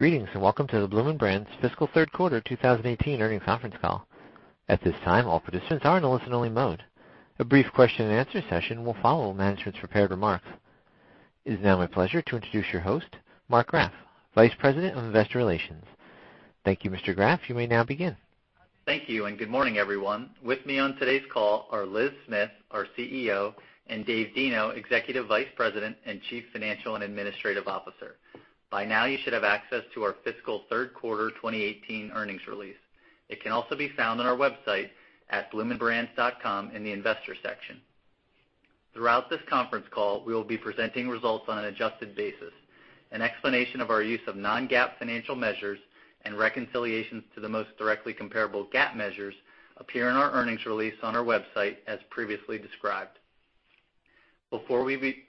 Greetings, and welcome to the Bloomin' Brands fiscal third quarter 2018 earnings conference call. At this time, all participants are in listen only mode. A brief question and answer session will follow management's prepared remarks. It is now my pleasure to introduce your host, Mark Graff, Vice President of Investor Relations. Thank you, Mr. Graff. You may now begin. Thank you, and good morning, everyone. With me on today's call are Elizabeth Smith, our CEO, and David Deno, Executive Vice President and Chief Financial and Administrative Officer. By now you should have access to our fiscal third quarter 2018 earnings release. It can also be found on our website at bloominbrands.com in the Investors section. Throughout this conference call, we will be presenting results on an adjusted basis. An explanation of our use of non-GAAP financial measures and reconciliations to the most directly comparable GAAP measures appear in our earnings release on our website as previously described. Before we begin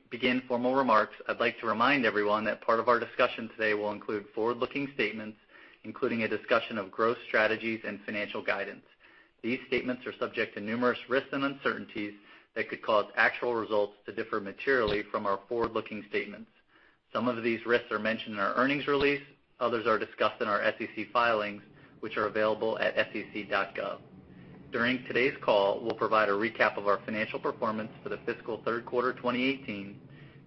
formal remarks, I'd like to remind everyone that part of our discussion today will include forward-looking statements, including a discussion of growth strategies and financial guidance. These statements are subject to numerous risks and uncertainties that could cause actual results to differ materially from our forward-looking statements. Some of these risks are mentioned in our earnings release, others are discussed in our SEC filings, which are available at sec.gov. During today's call, we'll provide a recap of our financial performance for the fiscal third quarter 2018,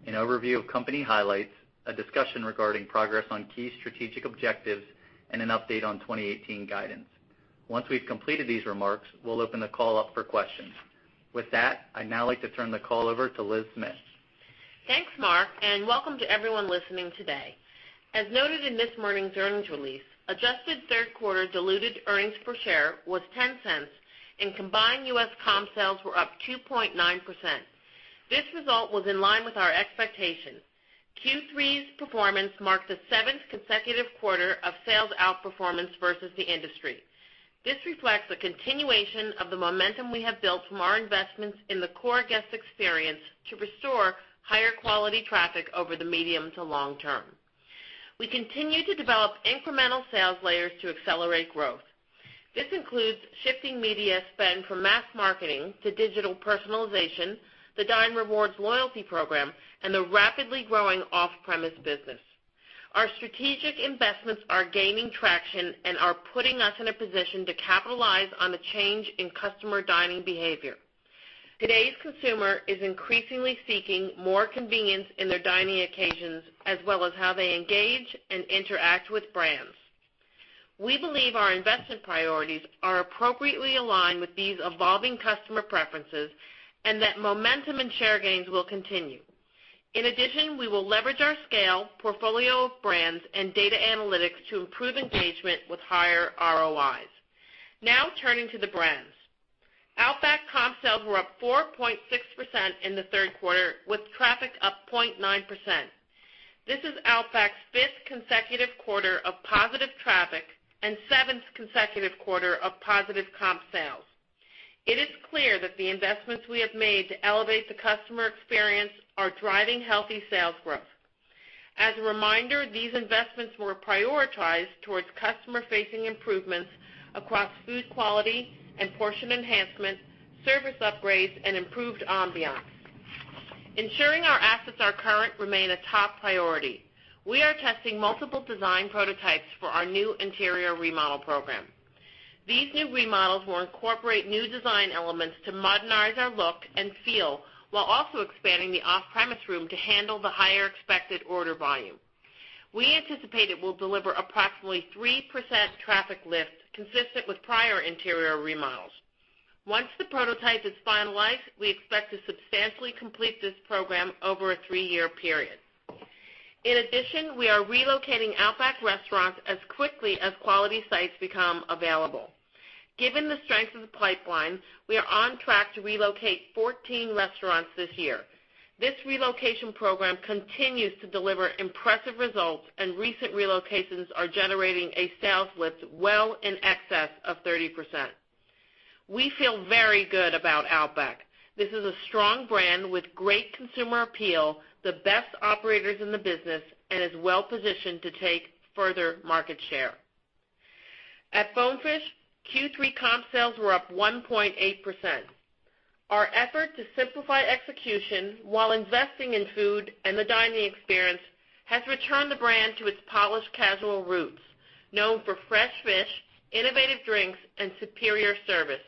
an overview of company highlights, a discussion regarding progress on key strategic objectives, and an update on 2018 guidance. With that, I'd now like to turn the call over to Elizabeth Smith. Thanks, Mark, and welcome to everyone listening today. As noted in this morning's earnings release, adjusted third quarter diluted earnings per share was $0.10 and combined U.S. comp sales were up 2.9%. This result was in line with our expectations. Q3's performance marked the seventh consecutive quarter of sales outperformance versus the industry. This reflects a continuation of the momentum we have built from our investments in the core guest experience to restore higher quality traffic over the medium to long term. This includes shifting media spend from mass marketing to digital personalization, the Dine Rewards loyalty program, and the rapidly growing off-premise business. Our strategic investments are gaining traction and are putting us in a position to capitalize on the change in customer dining behavior. Today's consumer is increasingly seeking more convenience in their dining occasions, as well as how they engage and interact with brands. We believe our investment priorities are appropriately aligned with these evolving customer preferences, and that momentum and share gains will continue. We will leverage our scale, portfolio of brands, and data analytics to improve engagement with higher ROIs. Turning to the brands. Outback comp sales were up 4.6% in the third quarter, with traffic up 0.9%. This is Outback's fifth consecutive quarter of positive traffic and seventh consecutive quarter of positive comp sales. It is clear that the investments we have made to elevate the customer experience are driving healthy sales growth. A reminder, these investments were prioritized towards customer-facing improvements across food quality and portion enhancements, service upgrades, and improved ambiance. Ensuring our assets are current remain a top priority. We are testing multiple design prototypes for our new interior remodel program. These new remodels will incorporate new design elements to modernize our look and feel, while also expanding the off-premise room to handle the higher expected order volume. We anticipate it will deliver approximately 3% traffic lift consistent with prior interior remodels. Once the prototype is finalized, we expect to substantially complete this program over a three-year period. We are relocating Outback restaurants as quickly as quality sites become available. Given the strength of the pipeline, we are on track to relocate 14 restaurants this year. This relocation program continues to deliver impressive results, and recent relocations are generating a sales lift well in excess of 30%. We feel very good about Outback. This is a strong brand with great consumer appeal, the best operators in the business, and is well-positioned to take further market share. At Bonefish, Q3 comp sales were up 1.8%. Our effort to simplify execution while investing in food and the dining experience has returned the brand to its polished casual roots, known for fresh fish, innovative drinks, and superior service.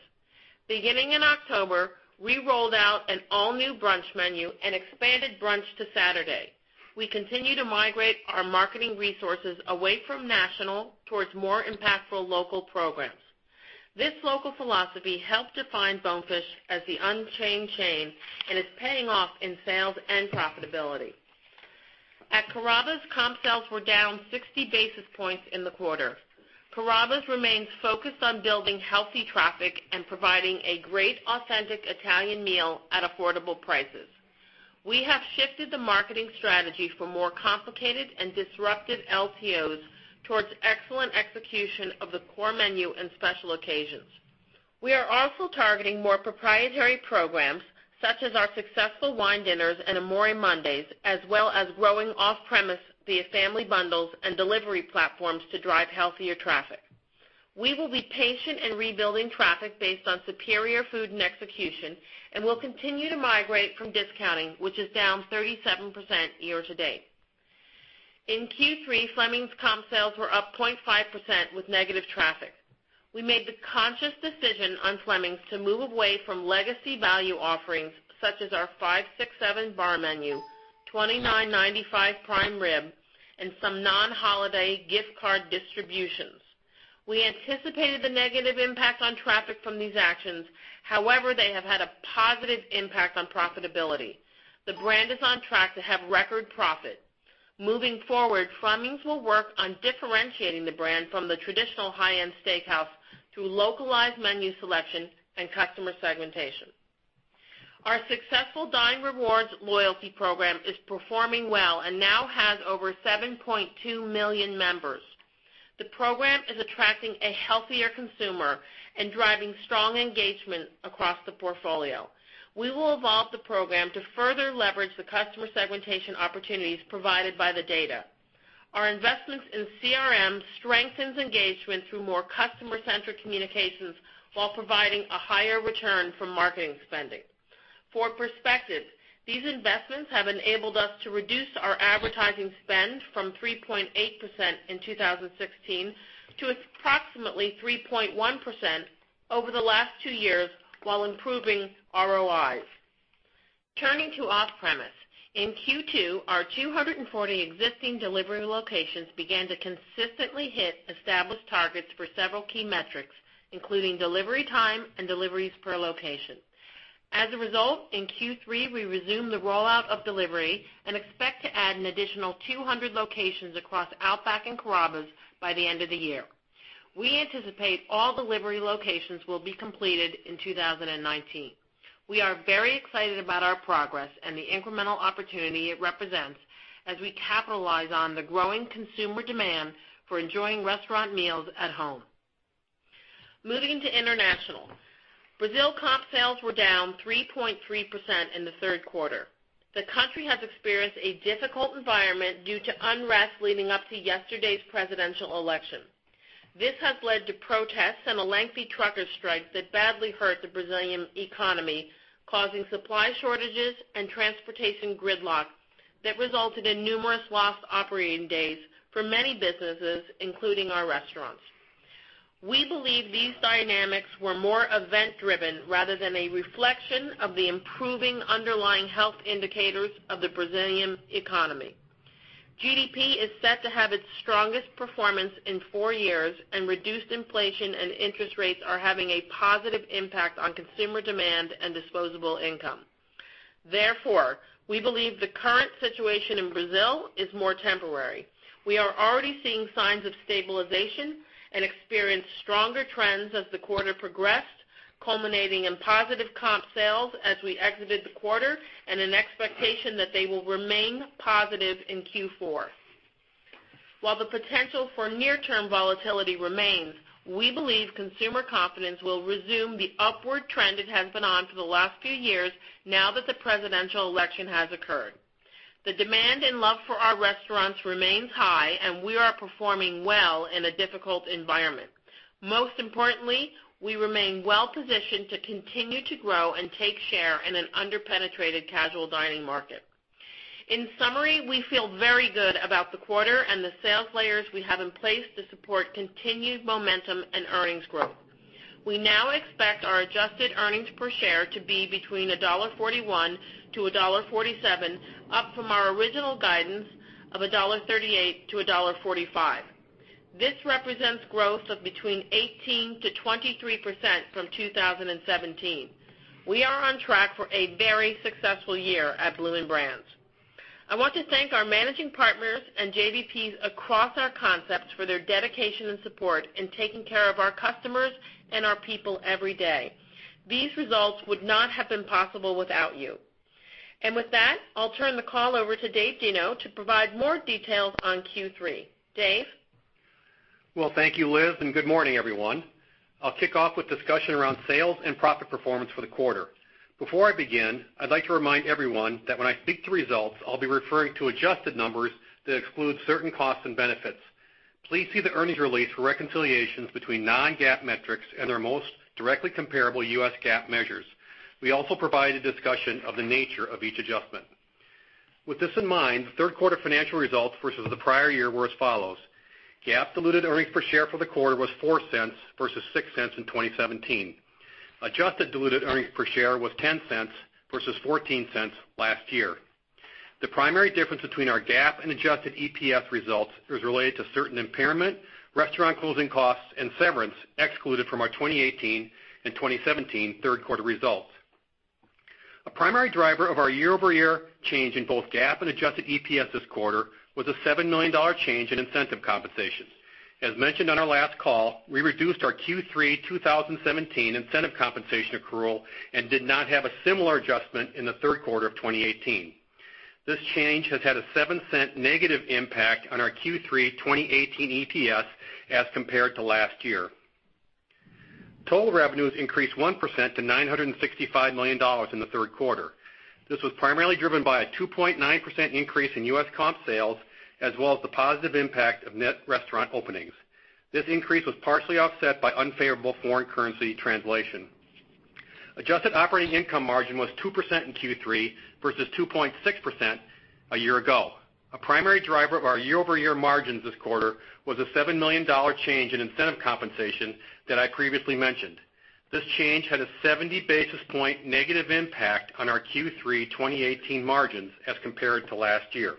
Beginning in October, we rolled out an all-new brunch menu and expanded brunch to Saturday. We continue to migrate our marketing resources away from national towards more impactful local programs. This local philosophy helped define Bonefish as the unchained chain and is paying off in sales and profitability. At Carrabba's, comp sales were down 60 basis points in the quarter. Carrabba's remains focused on building healthy traffic and providing a great authentic Italian meal at affordable prices. We have shifted the marketing strategy for more complicated and disruptive LTOs towards excellent execution of the core menu and special occasions. We are targeting more proprietary programs, such as our successful wine dinners and Amore Mondays, as well as growing off-premise via family bundles and delivery platforms to drive healthier traffic. We will be patient in rebuilding traffic based on superior food and execution, and we'll continue to migrate from discounting, which is down 37% year to date. Q3, Fleming's comp sales were up 0.5% with negative traffic. We made the conscious decision on Fleming's to move away from legacy value offerings such as our 5-6-7 bar menu, $29.95 prime rib, and some non-holiday gift card distributions. We anticipated the negative impact on traffic from these actions. They have had a positive impact on profitability. The brand is on track to have record profit. Fleming's will work on differentiating the brand from the traditional high-end steakhouse through localized menu selection and customer segmentation. Our successful Dine Rewards loyalty program is performing well and now has over 7.2 million members. The program is attracting a healthier consumer and driving strong engagement across the portfolio. We will evolve the program to further leverage the customer segmentation opportunities provided by the data. Our investments in CRM strengthens engagement through more customer-centric communications while providing a higher return from marketing spending. For perspective, these investments have enabled us to reduce our advertising spend from 3.8% in 2016 to approximately 3.1% over the last two years while improving ROIs. Turning to off-premise. In Q2, our 240 existing delivery locations began to consistently hit established targets for several key metrics, including delivery time and deliveries per location. As a result, in Q3, we resumed the rollout of delivery and expect to add an additional 200 locations across Outback Steakhouse and Carrabba's by the end of the year. We anticipate all delivery locations will be completed in 2019. We are very excited about our progress and the incremental opportunity it represents as we capitalize on the growing consumer demand for enjoying restaurant meals at home. Moving to international. Brazil comp sales were down 3.3% in the third quarter. The country has experienced a difficult environment due to unrest leading up to yesterday's presidential election. This has led to protests and a lengthy trucker strike that badly hurt the Brazilian economy, causing supply shortages and transportation gridlock that resulted in numerous lost operating days for many businesses, including our restaurants. We believe these dynamics were more event-driven rather than a reflection of the improving underlying health indicators of the Brazilian economy. GDP is set to have its strongest performance in four years, and reduced inflation and interest rates are having a positive impact on consumer demand and disposable income. Therefore, we believe the current situation in Brazil is more temporary. We are already seeing signs of stabilization and experienced stronger trends as the quarter progressed, culminating in positive comp sales as we exited the quarter and an expectation that they will remain positive in Q4. While the potential for near-term volatility remains, we believe consumer confidence will resume the upward trend it has been on for the last few years now that the presidential election has occurred. The demand and love for our restaurants remains high, and we are performing well in a difficult environment. Most importantly, we remain well-positioned to continue to grow and take share in an under-penetrated casual dining market. In summary, we feel very good about the quarter and the sales layers we have in place to support continued momentum and earnings growth. We now expect our adjusted earnings per share to be between $1.41-$1.47, up from our original guidance of $1.38-$1.45. This represents growth of between 18%-23% from 2017. We are on track for a very successful year at Bloomin' Brands. I want to thank our managing partners and JVPs across our concepts for their dedication and support in taking care of our customers and our people every day. These results would not have been possible without you. With that, I'll turn the call over to David Deno to provide more details on Q3. David? Well, thank you, Liz, and good morning, everyone. I'll kick off with discussion around sales and profit performance for the quarter. Before I begin, I'd like to remind everyone that when I speak to results, I'll be referring to adjusted numbers that exclude certain costs and benefits. Please see the earnings release for reconciliations between non-GAAP metrics and their most directly comparable U.S. GAAP measures. We also provide a discussion of the nature of each adjustment. With this in mind, third quarter financial results versus the prior year were as follows: GAAP diluted earnings per share for the quarter was $0.04 versus $0.06 in 2017. Adjusted diluted earnings per share was $0.10 versus $0.14 last year. The primary difference between our GAAP and adjusted EPS results is related to certain impairment, restaurant closing costs, and severance excluded from our 2018 and 2017 third quarter results. A primary driver of our year-over-year change in both GAAP and adjusted EPS this quarter was a $7 million change in incentive compensations. As mentioned on our last call, we reduced our Q3 2017 incentive compensation accrual and did not have a similar adjustment in the third quarter of 2018. This change has had a $0.07 negative impact on our Q3 2018 EPS as compared to last year. Total revenues increased 1% to $965 million in the third quarter. This was primarily driven by a 2.9% increase in U.S. comp sales, as well as the positive impact of net restaurant openings. This increase was partially offset by unfavorable foreign currency translation. Adjusted operating income margin was 2% in Q3 versus 2.6% a year ago. A primary driver of our year-over-year margins this quarter was a $7 million change in incentive compensation that I previously mentioned. This change had a 70 basis point negative impact on our Q3 2018 margins as compared to last year.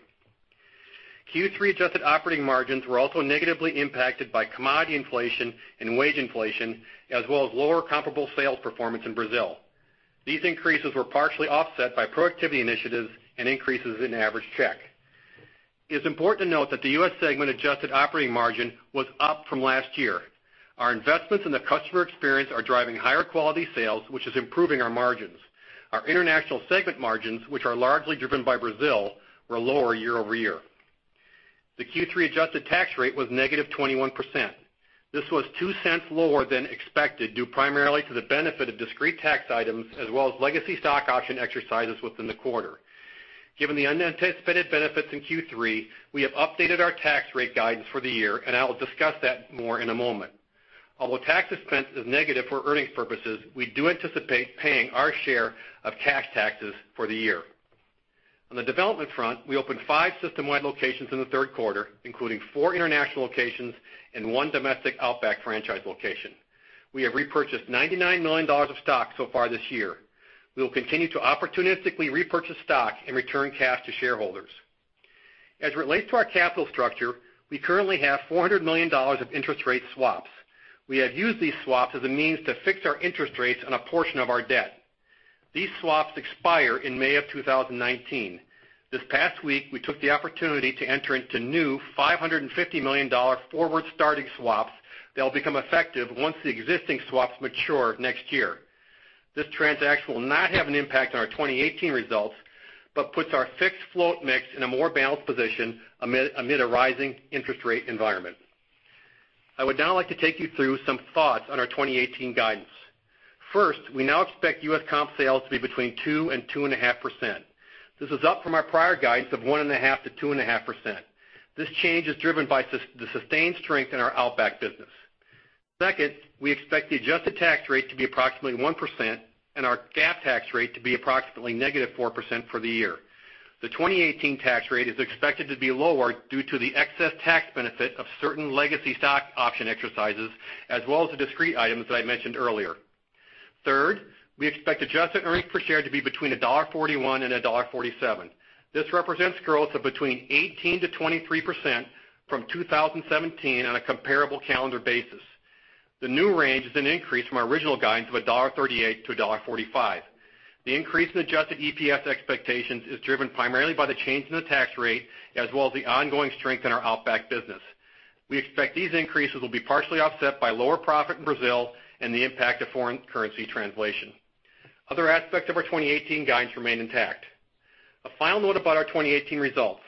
Q3 adjusted operating margins were also negatively impacted by commodity inflation and wage inflation, as well as lower comparable sales performance in Brazil. These increases were partially offset by productivity initiatives and increases in average check. It's important to note that the U.S. segment adjusted operating margin was up from last year. Our investments in the customer experience are driving higher quality sales, which is improving our margins. Our international segment margins, which are largely driven by Brazil, were lower year-over-year. The Q3 adjusted tax rate was -21%. This was $0.02 lower than expected, due primarily to the benefit of discrete tax items as well as legacy stock option exercises within the quarter. Given the unanticipated benefits in Q3, we have updated our tax rate guidance for the year. I will discuss that more in a moment. Although tax expense is negative for earnings purposes, we do anticipate paying our share of cash taxes for the year. On the development front, we opened five systemwide locations in the third quarter, including four international locations and one domestic Outback franchise location. We have repurchased $99 million of stock so far this year. We will continue to opportunistically repurchase stock and return cash to shareholders. As it relates to our capital structure, we currently have $400 million of interest rate swaps. We have used these swaps as a means to fix our interest rates on a portion of our debt. These swaps expire in May of 2019. This past week, we took the opportunity to enter into new $550 million forward-starting swaps that will become effective once the existing swaps mature next year. This transaction will not have an impact on our 2018 results, but puts our fixed float mix in a more balanced position amid a rising interest rate environment. I would now like to take you through some thoughts on our 2018 guidance. First, we now expect U.S. comp sales to be between 2% and 2.5%. This is up from our prior guidance of 1.5%-2.5%. This change is driven by the sustained strength in our Outback business. Second, we expect the adjusted tax rate to be approximately 1% and our GAAP tax rate to be approximately negative 4% for the year. The 2018 tax rate is expected to be lower due to the excess tax benefit of certain legacy stock option exercises, as well as the discrete items that I mentioned earlier. Third, we expect adjusted earnings per share to be between $1.41 and $1.47. This represents growth of between 18%-23% from 2017 on a comparable calendar basis. The new range is an increase from our original guidance of $1.38-$1.45. The increase in adjusted EPS expectations is driven primarily by the change in the tax rate, as well as the ongoing strength in our Outback business. We expect these increases will be partially offset by lower profit in Brazil and the impact of foreign currency translation. Other aspects of our 2018 guidance remain intact. A final note about our 2018 results.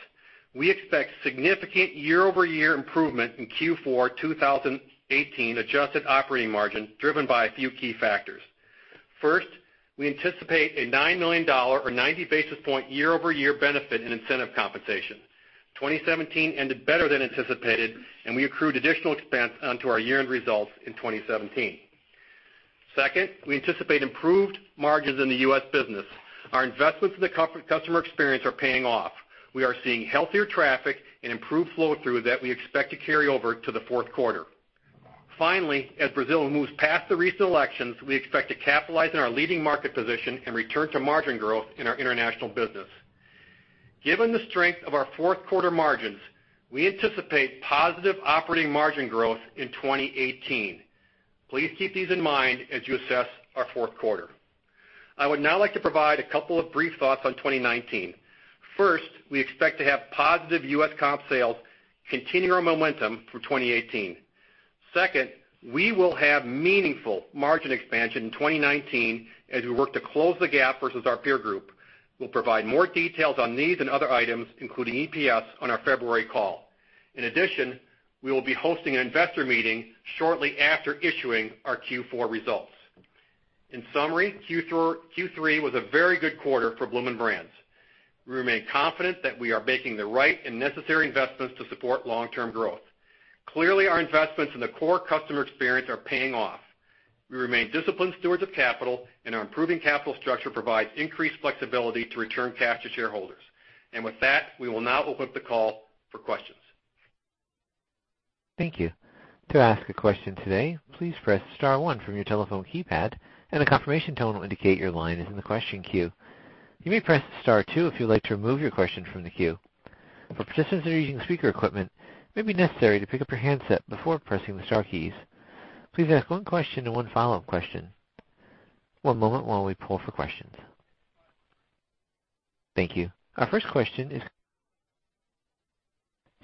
We expect significant year-over-year improvement in Q4 2018 adjusted operating margin driven by a few key factors. First, we anticipate a $9 million or 90 basis point year-over-year benefit in incentive compensation. 2017 ended better than anticipated, and we accrued additional expense onto our year-end results in 2017. Second, we anticipate improved margins in the U.S. business. Our investments in the customer experience are paying off. We are seeing healthier traffic and improved flow-through that we expect to carry over to the fourth quarter. Finally, as Brazil moves past the recent elections, we expect to capitalize on our leading market position and return to margin growth in our international business. Given the strength of our fourth quarter margins, we anticipate positive operating margin growth in 2018. Please keep these in mind as you assess our fourth quarter. I would now like to provide a couple of brief thoughts on 2019. First, we expect to have positive U.S. comp sales continuing our momentum for 2018. Second, we will have meaningful margin expansion in 2019 as we work to close the gap versus our peer group. We'll provide more details on these and other items, including EPS, on our February call. In addition, we will be hosting an investor meeting shortly after issuing our Q4 results. In summary, Q3 was a very good quarter for Bloomin' Brands. We remain confident that we are making the right and necessary investments to support long-term growth. Clearly, our investments in the core customer experience are paying off. We remain disciplined stewards of capital, and our improving capital structure provides increased flexibility to return cash to shareholders. With that, we will now open up the call for questions. Thank you. To ask a question today, please press star one from your telephone keypad, and a confirmation tone will indicate your line is in the question queue. You may press star two if you would like to remove your question from the queue. For participants that are using speaker equipment, it may be necessary to pick up your handset before pressing the star keys. Please ask one question and one follow-up question. One moment while we pull for questions. Thank you. Our first question is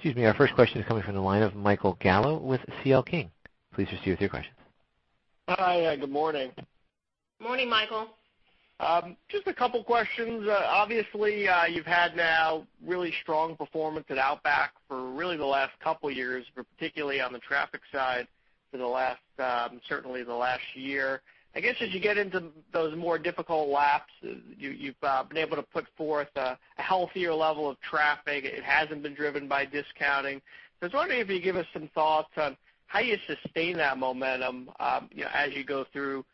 coming from the line of Michael Gallo with C.L. King. Please proceed with your questions. Hi. Good morning Morning, Michael. Just a couple questions. Obviously, you've had now really strong performance at Outback for really the last couple years, but particularly on the traffic side for certainly the last year. I guess as you get into those more difficult laps, you've been able to put forth a healthier level of traffic. It hasn't been driven by discounting. I was wondering if you'd give us some thoughts on how you sustain that momentum as you go through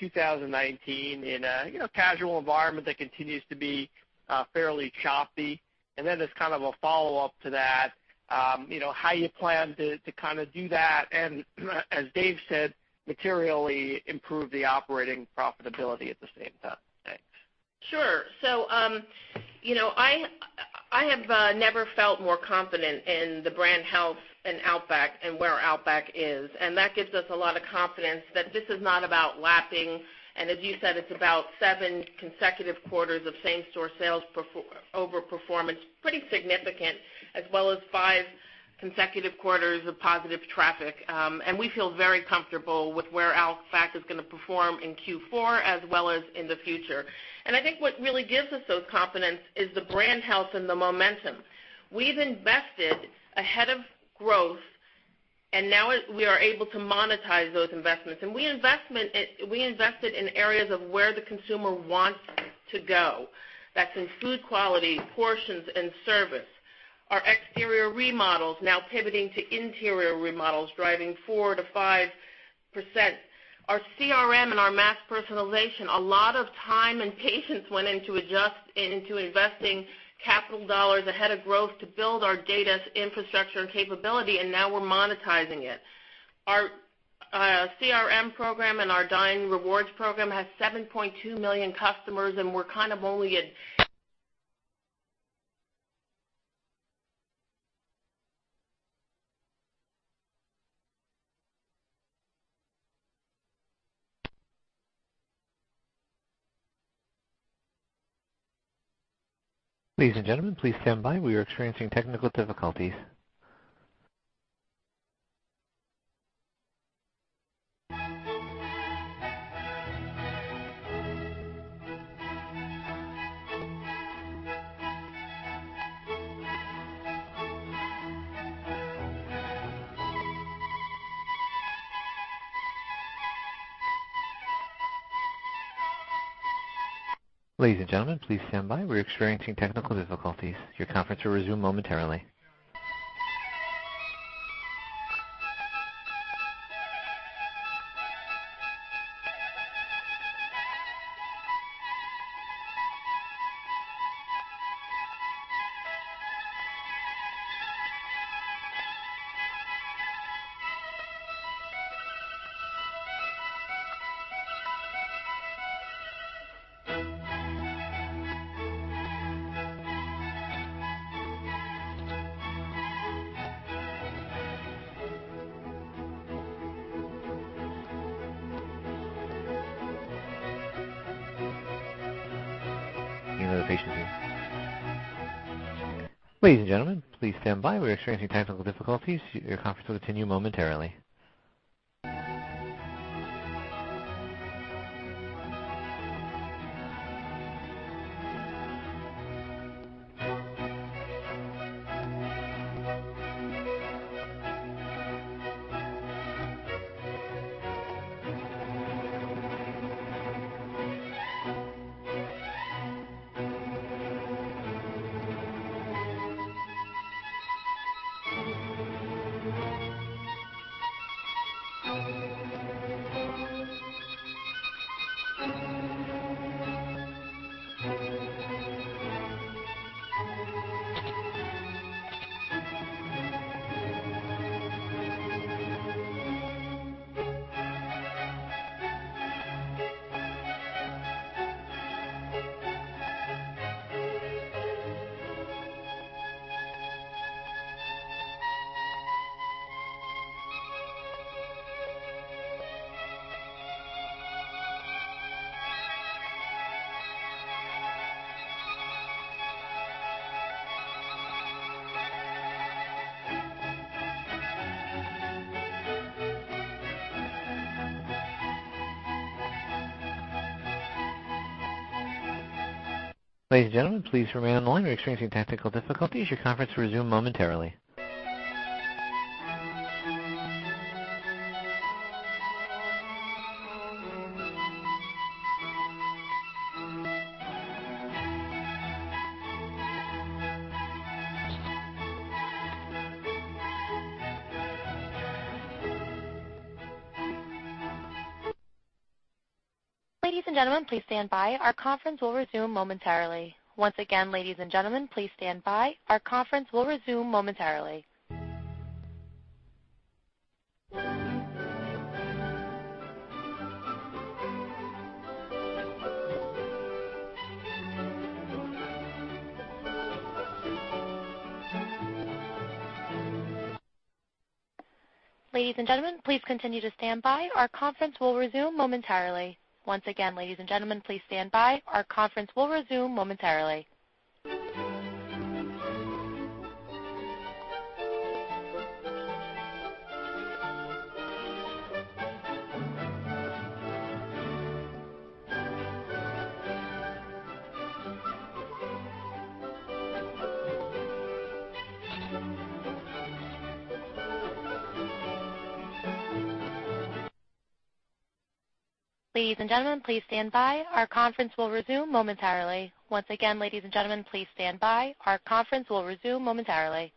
2019 in a casual environment that continues to be fairly choppy. Then as kind of a follow-up to that, how you plan to do that and, as Dave said, materially improve the operating profitability at the same time? Thanks. I have never felt more confident in the brand health in Outback and where Outback is, that gives us a lot of confidence that this is not about lapping. As you said, it's about seven consecutive quarters of same-store sales over performance, pretty significant, as well as five consecutive quarters of positive traffic. We feel very comfortable with where Outback is going to perform in Q4 as well as in the future. I think what really gives us those confidence is the brand health and the momentum. We've invested ahead of growth, and now we are able to monetize those investments. We invested in areas of where the consumer wants to go. That's in food quality, portions, and service. Our exterior remodels now pivoting to interior remodels, driving 4%-5%. Our CRM and our mass personalization, a lot of time and patience went into investing capital dollars ahead of growth to build our data infrastructure and capability, now we're monetizing it. Our CRM program and our Dine Rewards program has 7.2 million customers, we're kind of only at- Ladies and gentlemen, please stand by. We are experiencing technical difficulties. Ladies and gentlemen, please stand by. We're experiencing technical difficulties. Your conference will resume momentarily. Ladies and gentlemen, please stand by. We are experiencing technical difficulties. Your conference will continue momentarily. Ladies and gentlemen, please remain on the line. We're experiencing technical difficulties. Your conference will resume momentarily. Ladies and gentlemen, please stand by. Our conference will resume momentarily. Once again, ladies and gentlemen, please stand by. Our conference will resume momentarily. Ladies and gentlemen, please continue to stand by. Our conference will resume momentarily. Once again, ladies and gentlemen, please stand by. Our conference will resume momentarily. Ladies and gentlemen, please stand by. Our conference will resume momentarily. Once again, ladies and gentlemen, please stand by. Our conference will resume momentarily.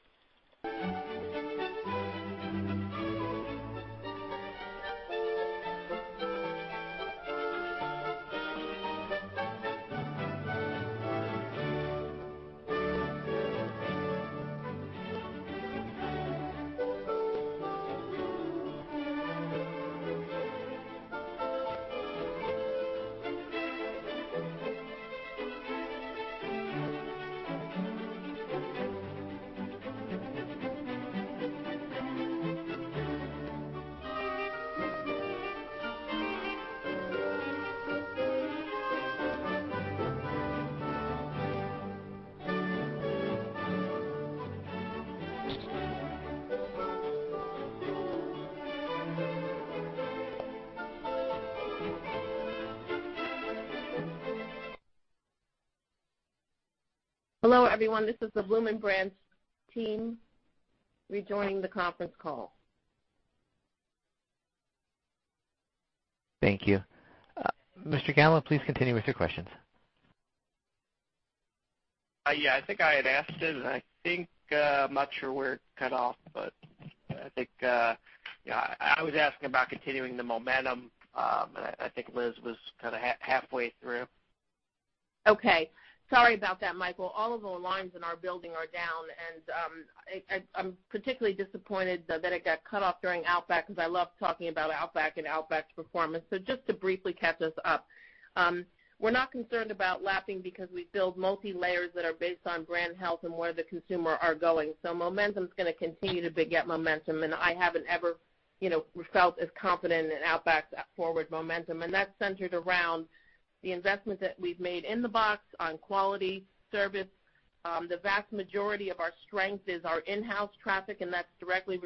Hello, everyone. This is the Bloomin' Brands team rejoining the conference call. Thank you. Mr. Gallo, please continue with your questions. Yeah. I think I had asked it, and I think I'm not sure where it cut off, but I think I was asking about continuing the momentum, and I think Liz was kind of halfway through. Okay. Sorry about that, Max. All of the lines in our building are down, and I'm particularly disappointed that it got cut off during Outback because I love talking about Outback and Outback's performance. Just to briefly catch us up. We're not concerned about lapping because we build multilayers that are based on brand health and where the consumer are going. Momentum's going to continue to beget momentum, and I haven't ever felt as confident in Outback's forward momentum. That's centered around the investments that we've made in the box on quality, service. The vast majority of our strength is our in-house traffic, and that's directly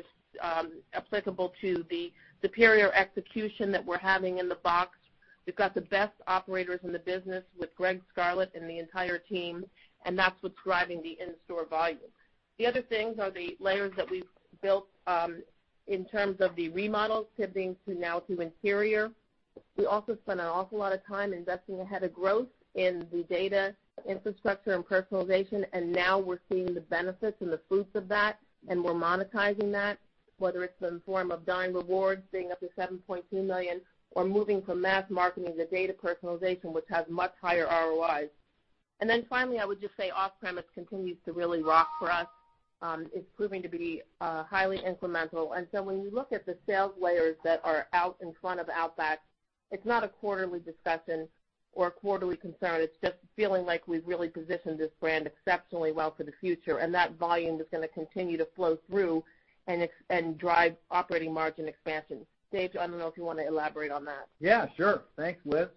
applicable to the superior execution that we're having in the box. We've got the best operators in the business with Gregg Scarlett and the entire team, and that's what's driving the in-store volume. The other things are the layers that we've built in terms of the remodels pivoting now to interior. We also spent an awful lot of time investing ahead of growth in the data infrastructure and personalization, and now we're seeing the benefits and the fruits of that, and we're monetizing that, whether it's in the form of Dine Rewards being up to $7.2 million, or moving from mass marketing to data personalization, which has much higher ROI. Finally, I would just say off-premise continues to really rock for us. It's proving to be highly incremental. When you look at the sales layers that are out in front of Outback, it's not a quarterly discussion or a quarterly concern. It's just feeling like we've really positioned this brand exceptionally well for the future, and that volume is going to continue to flow through and drive operating margin expansion. Dave, I don't know if you want to elaborate on that. Yeah, sure. Thanks, Liz.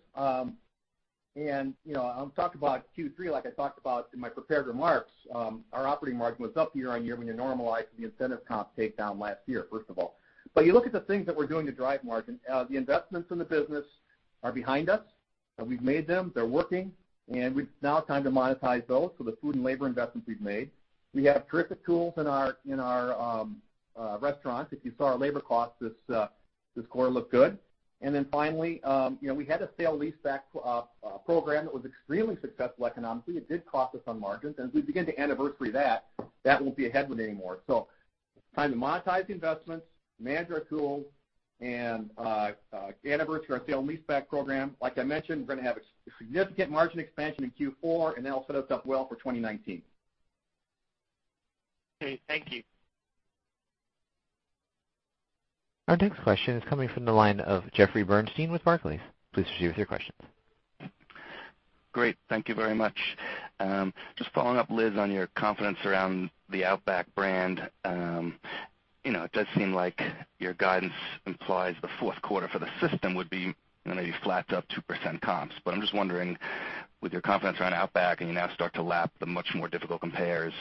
And I'll talk about Q3 like I talked about in my prepared remarks. Our operating margin was up year on year when you normalize the incentive comp takedown last year, first of all. But you look at the things that we're doing to drive margin. The investments in the business are behind us. We've made them, they're working, and it's now time to monetize those, so the food and labor investments we've made. We have terrific tools in our restaurants. If you saw our labor costs this quarter looked good. And then finally, we had a sale-leaseback program that was extremely successful economically. It did cost us on margins. As we begin to anniversary that, that won't be a headwind anymore. So time to monetize the investments, manage our tools, and anniversary our sale-leaseback program. Like I mentioned, we're going to have a significant margin expansion in Q4, and that'll set us up well for 2019. Okay, thank you. Our next question is coming from the line of Jeffrey Bernstein with Barclays. Please proceed with your questions. Great. Thank you very much. Just following up, Liz, on your confidence around the Outback brand. It does seem like your guidance implies the fourth quarter for the system would be maybe flat to up 2% comps. I'm just wondering, with your confidence around Outback and you now start to lap the much more difficult compares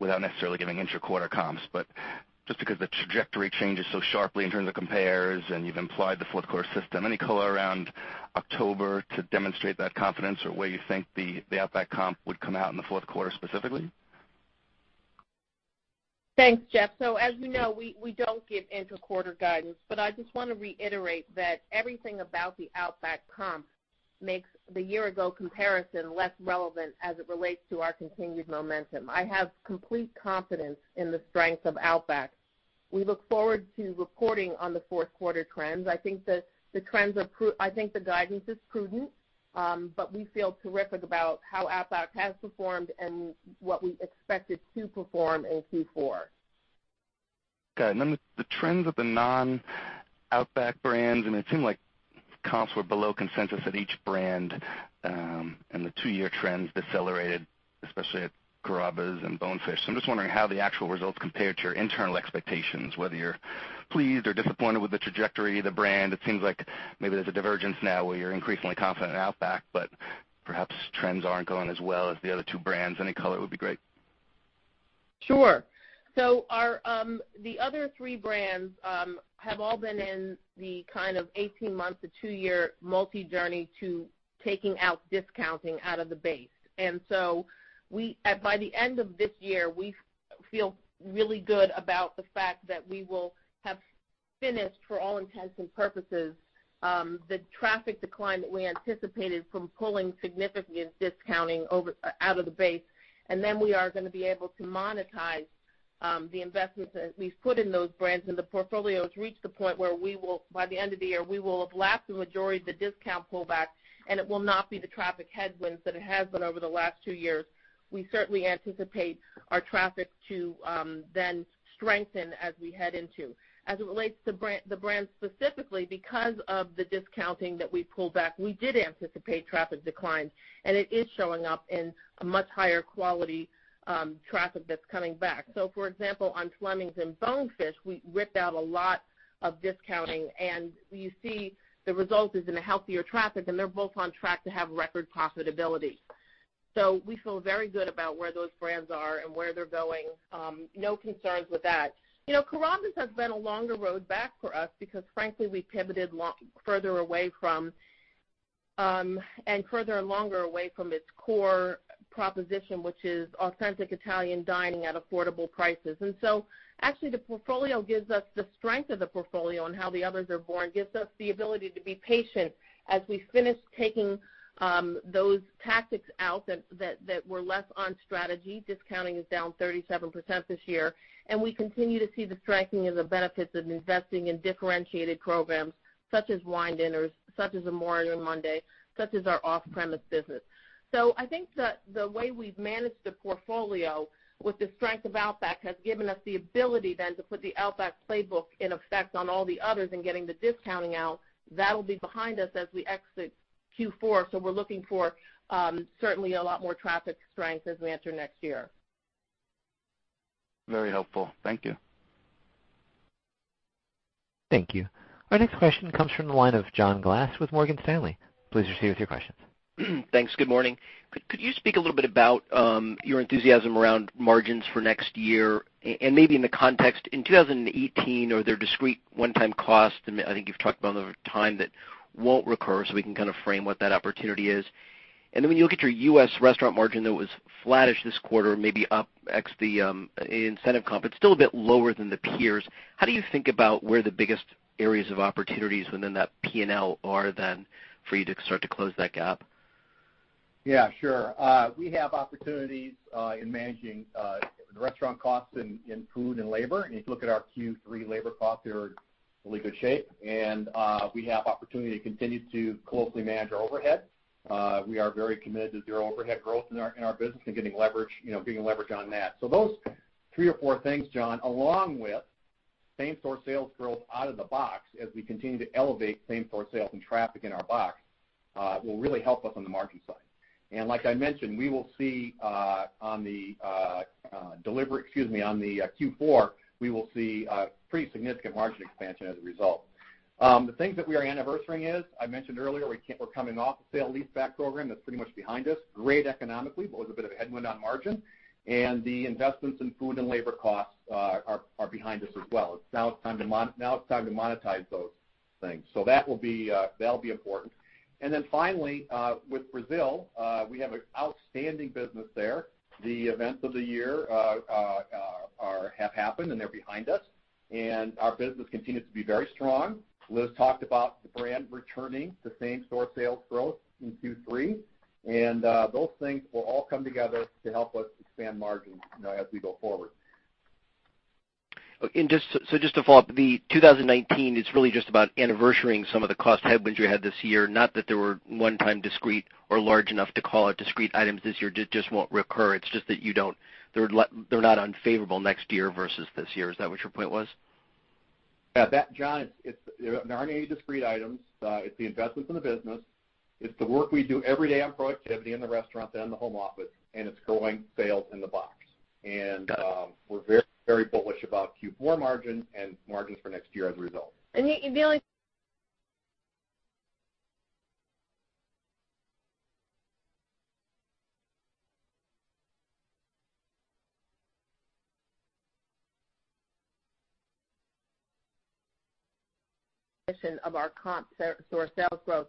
without necessarily giving inter-quarter comps, just because the trajectory changes so sharply in terms of compares and you've implied the fourth quarter system, any color around October to demonstrate that confidence or where you think the Outback comp would come out in the fourth quarter specifically? Thanks, Jeff. As you know, we don't give inter-quarter guidance, I just want to reiterate that everything about the Outback comp makes the year-ago comparison less relevant as it relates to our continued momentum. I have complete confidence in the strength of Outback. We look forward to reporting on the fourth quarter trends. I think the guidance is prudent, we feel terrific about how Outback has performed and what we expect it to perform in Q4. Okay. The trends of the non-Outback brands, and it seemed like comps were below consensus at each brand, and the two-year trends decelerated, especially at Carrabba's and Bonefish. I'm just wondering how the actual results compared to your internal expectations, whether you're pleased or disappointed with the trajectory of the brand. It seems like maybe there's a divergence now where you're increasingly confident in Outback, but perhaps trends aren't going as well as the other two brands. Any color would be great. Sure. The other three brands have all been in the kind of 18 months to two-year multi-year journey to taking out discounting out of the base. By the end of this year, we feel really good about the fact that we will have finished, for all intents and purposes, the traffic decline that we anticipated from pulling significant discounting out of the base. We are going to be able to monetize the investments that we've put in those brands, and the portfolio's reached the point where by the end of the year, we will have lapped the majority of the discount pullback, and it will not be the traffic headwinds that it has been over the last two years. We certainly anticipate our traffic to then strengthen as we head into. As it relates to the brands specifically, because of the discounting that we pulled back, we did anticipate traffic declines, and it is showing up in a much higher quality traffic that's coming back. For example, on Fleming's and Bonefish, we ripped out a lot of discounting, and you see the result is in a healthier traffic, and they're both on track to have record profitability. We feel very good about where those brands are and where they're going. No concerns with that. Carrabba's has been a longer road back for us because frankly, we pivoted further away from and further and longer away from its core proposition, which is authentic Italian dining at affordable prices. Actually the portfolio gives us the strength of the portfolio and how the others are borne, gives us the ability to be patient as we finish taking those tactics out that were less on strategy. Discounting is down 37% this year, and we continue to see the strengthening of the benefits of investing in differentiated programs such as wine dinners, such as Amore Mondays, such as our off-premise business. I think that the way we've managed the portfolio with the strength of Outback has given us the ability then to put the Outback playbook in effect on all the others and getting the discounting out. That'll be behind us as we exit Q4. We're looking for certainly a lot more traffic strength as we enter next year. Very helpful. Thank you. Thank you. Our next question comes from the line of John Glass with Morgan Stanley. Please proceed with your questions. Thanks. Good morning. Could you speak a little bit about your enthusiasm around margins for next year and maybe in the context, in 2018, are there discrete one-time costs, I think you've talked about them over time, that won't recur, so we can kind of frame what that opportunity is. Then when you look at your U.S. restaurant margin that was flattish this quarter, maybe up ex the incentive comp, it's still a bit lower than the peers. How do you think about where the biggest areas of opportunities within that P&L are then for you to start to close that gap? Yeah, sure. We have opportunities in managing the restaurant costs in food and labor. If you look at our Q3 labor costs, they are in really good shape. We have opportunity to continue to closely manage our overhead. We are very committed to zero overhead growth in our business and getting leverage on that. Those three or four things, John, along with same-store sales growth out of the box, as we continue to elevate same-store sales and traffic in our box, will really help us on the margin side. Like I mentioned, we will see on the Q4, we will see pretty significant margin expansion as a result. The things that we are anniversarying is, I mentioned earlier, we're coming off a sale-leaseback program that's pretty much behind us. Great economically, but it was a bit of a headwind on margin. The investments in food and labor costs are behind us as well. Now it's time to monetize those things. That'll be important. Finally, with Brazil, we have an outstanding business there. The events of the year have happened, and they're behind us, and our business continues to be very strong. Liz talked about the brand returning to same-store sales growth in Q3, and those things will all come together to help us expand margins as we go forward. Just to follow up, the 2019 is really just about anniversarying some of the cost headwinds you had this year, not that there were one-time discrete or large enough to call it discrete items this year, just won't recur. It's just that they're not unfavorable next year versus this year. Is that what your point was? Yeah. John, there aren't any discrete items. It's the investments in the business. It's the work we do every day on productivity in the restaurant and the home office, and it's growing sales in the box. Got it We're very bullish about Q4 margin and margins for next year as a result. The only addition of our comp store sales growth,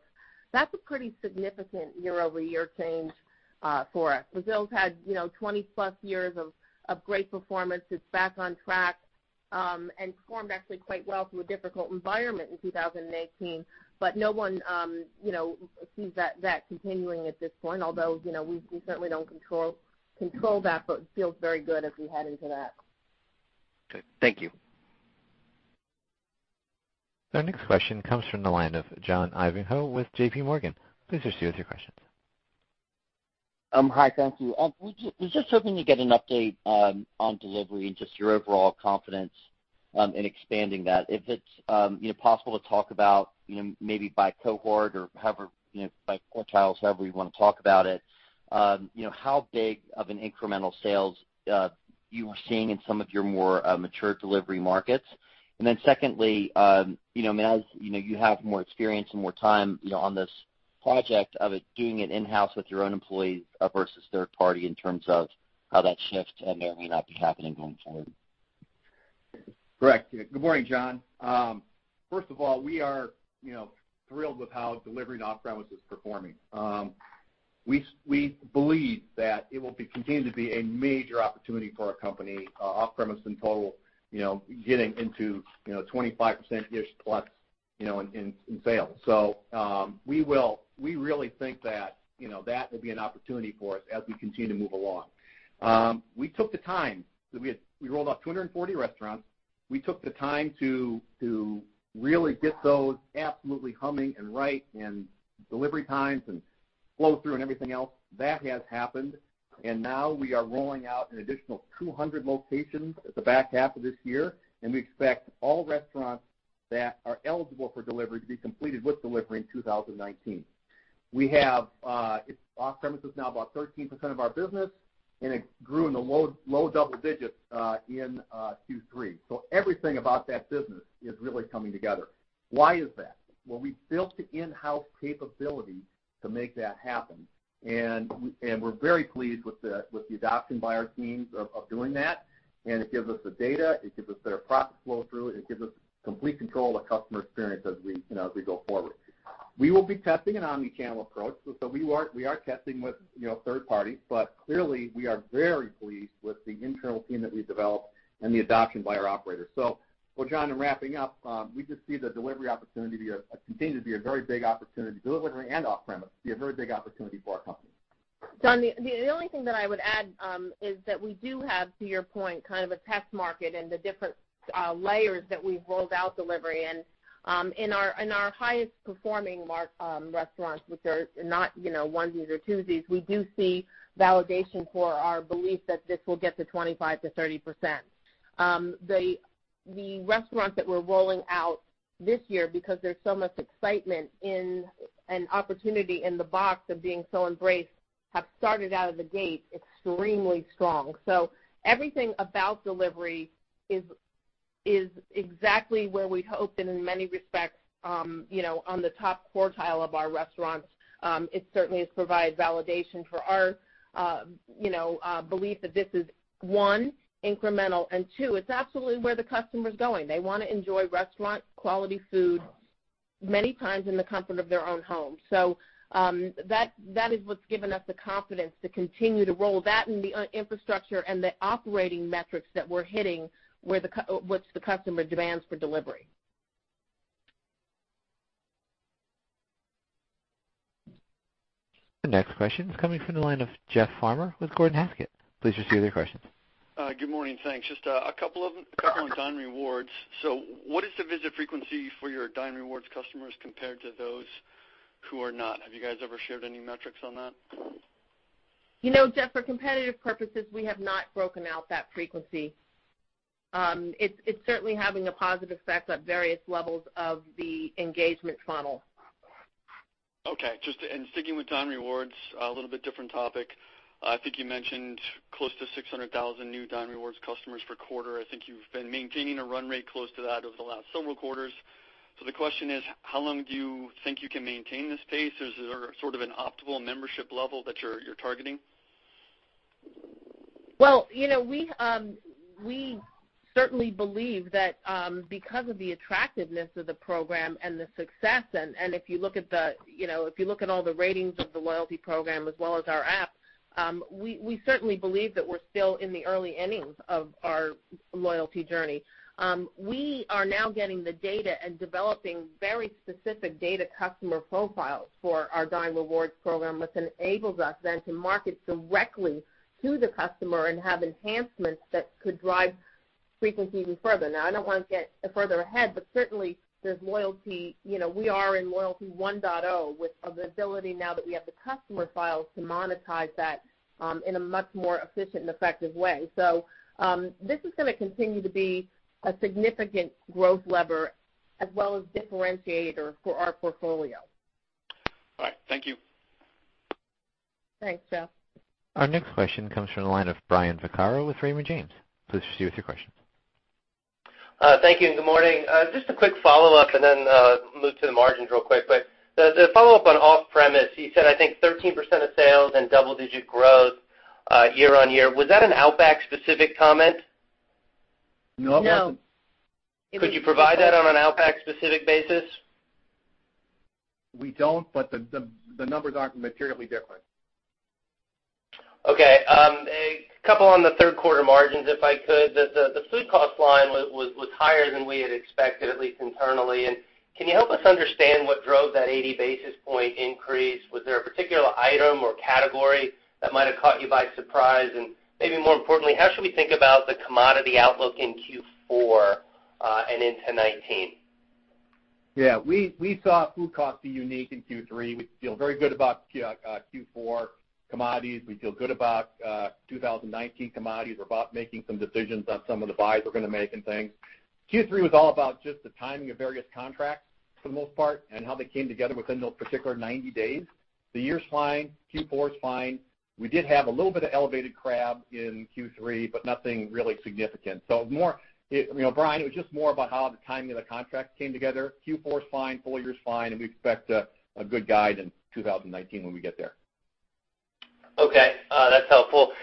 that's a pretty significant year-over-year change for us. Brazil's had 20 plus years of great performance. It's back on track, and performed actually quite well through a difficult environment in 2018. No one sees that continuing at this point, although, we certainly don't control that, but it feels very good as we head into that. Okay. Thank you. Our next question comes from the line of John Ivankoe with JPMorgan. Please proceed with your questions. I was just hoping to get an update on delivery and just your overall confidence in expanding that. If it's possible to talk about maybe by cohort or however, by quartiles, however you want to talk about it, how big of an incremental sales you are seeing in some of your more mature delivery markets. Secondly, as you have more experience and more time on this project of it doing it in-house with your own employees versus third party in terms of how that shift may or may not be happening going forward. Correct. Good morning, John. First of all, we are thrilled with how delivery and off-premise is performing. We believe that it will continue to be a major opportunity for our company, off-premise in total, getting into 25% plus in sales. We really think that will be an opportunity for us as we continue to move along. We took the time. We had rolled out 240 restaurants. We took the time to really get those absolutely humming and right and delivery times and flow through and everything else. That has happened. Now we are rolling out an additional 200 locations at the back half of this year, and we expect all restaurants that are eligible for delivery to be completed with delivery in 2019. Off-premise is now about 13% of our business, and it grew in the low double digits in Q3. Everything about that business is really coming together. Why is that? Well, we built the in-house capability to make that happen, and we're very pleased with the adoption by our teams of doing that. It gives us the data, it gives us better profit flow through, it gives us complete control of the customer experience as we go forward. We will be testing an omni-channel approach. We are testing with third party, but clearly, we are very pleased with the internal team that we've developed and the adoption by our operators. John, in wrapping up, we just see the delivery opportunity to continue to be a very big opportunity, delivery and off-premise, to be a very big opportunity for our company. John, the only thing that I would add is that we do have, to your point, kind of a test market and the different layers that we've rolled out delivery in. In our highest performing market restaurants, which are not onesies or twosies, we do see validation for our belief that this will get to 25%-30%. The restaurants that we're rolling out this year, because there's so much excitement and opportunity in the box of being so embraced, have started out of the gate extremely strong. Everything about delivery is exactly where we'd hoped, and in many respects, on the top quartile of our restaurants. It certainly has provided validation for our belief that this is, one, incremental, and two, it's absolutely where the customer's going. They want to enjoy restaurant quality food many times in the comfort of their own home. That is what's given us the confidence to continue to roll that and the infrastructure and the operating metrics that we're hitting, what the customer demands for delivery. The next question is coming from the line of Jeff Farmer with Gordon Haskett. Please proceed with your question. Good morning. Thanks. Just a couple on Dine Rewards. What is the visit frequency for your Dine Rewards customers compared to those who are not? Have you guys ever shared any metrics on that? Jeff, for competitive purposes, we have not broken out that frequency. It's certainly having a positive effect at various levels of the engagement funnel. Okay. Sticking with Dine Rewards, a little bit different topic. I think you mentioned close to 600,000 new Dine Rewards customers per quarter. I think you've been maintaining a run rate close to that over the last several quarters. The question is, how long do you think you can maintain this pace? Is there sort of an optimal membership level that you're targeting? Well, we certainly believe that because of the attractiveness of the program and the success, and if you look at all the ratings of the loyalty program as well as our app, we certainly believe that we're still in the early innings of our loyalty journey. We are now getting the data and developing very specific data customer profiles for our Dine Rewards program, which enables us then to market directly to the customer and have enhancements that could drive frequency even further. Now, I don't want to get further ahead, but certainly there's loyalty. We are in Loyalty 1.0 with the ability now that we have the customer files to monetize that in a much more efficient and effective way. This is going to continue to be a significant growth lever as well as differentiator for our portfolio. All right. Thank you. Thanks, Jeff. Our next question comes from the line of Brian Vaccaro with Raymond James. Please proceed with your question. Thank you, and good morning. Just a quick follow-up and then move to the margins real quick. The follow-up on off-premise, you said, I think 13% of sales and double-digit growth year-over-year. Was that an Outback specific comment? No, it wasn't. No. Could you provide that on an Outback specific basis? We don't, the numbers aren't materially different. Okay. A couple on the third quarter margins, if I could. The food cost line was higher than we had expected, at least internally. Can you help us understand what drove that 80 basis point increase? Was there a particular item or category that might have caught you by surprise? Maybe more importantly, how should we think about the commodity outlook in Q4 and into 2019? Yeah. We saw food costs be unique in Q3. We feel very good about Q4 commodities. We feel good about 2019 commodities. We're about making some decisions on some of the buys we're going to make and things. Q3 was all about just the timing of various contracts for the most part, and how they came together within those particular 90 days. The year's fine, Q4's fine. We did have a little bit of elevated crab in Q3, but nothing really significant. Brian, it was just more about how the timing of the contracts came together. Q4's fine, full year's fine, and we expect a good guide in 2019 when we get there. Okay, that's helpful.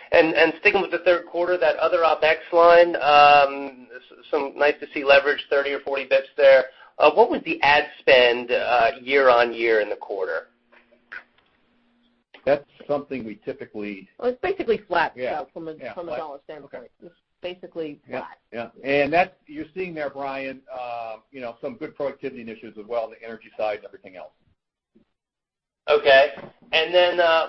Sticking with the third quarter, that other OpEx line, nice to see leverage 30 or 40 bits there. What was the ad spend year-on-year in the quarter? That's something we. Well, it's basically flat, Scott. Yeah From a dollar standpoint. Okay. Just basically flat. Yeah. That you're seeing there, Brian, some good productivity initiatives as well on the energy side and everything else.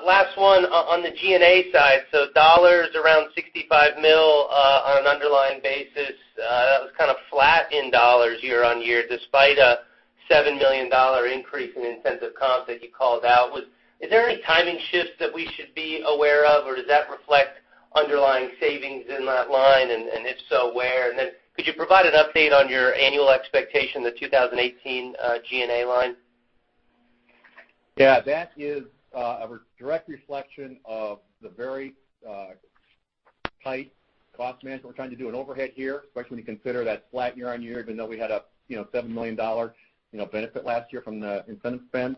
Last one on the G&A side. Dollars around $65 million on an underlying basis. That was kind of flat in dollars year-on-year, despite a $7 million increase in incentive comp that you called out. Is there any timing shifts that we should be aware of or does that reflect underlying savings in that line, and if so, where? Could you provide an update on your annual expectation, the 2018 G&A line? Yeah, that is a direct reflection of the very tight cost management we're trying to do in overhead here, especially when you consider that flat year-on-year, even though we had a $7 million benefit last year from the incentive spend.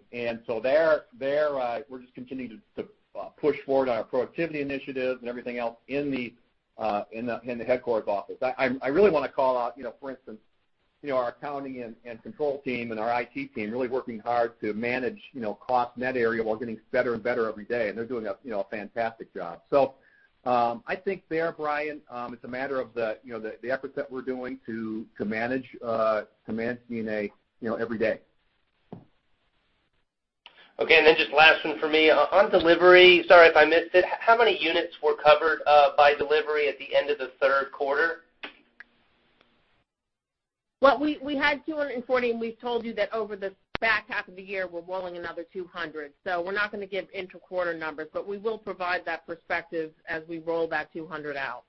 There, we're just continuing to push forward on our productivity initiatives and everything else in the headquarters office. I really want to call out, for instance, our accounting and control team and our IT team really working hard to manage cost net area while getting better and better every day. They're doing a fantastic job. I think there, Brian, it's a matter of the efforts that we're doing to manage G&A every day. Just last one for me. On delivery, sorry if I missed it, how many units were covered by delivery at the end of the third quarter? Well, we had 240. We've told you that over the back half of the year, we're rolling another 200. We're not going to give inter-quarter numbers, but we will provide that perspective as we roll that 200 out.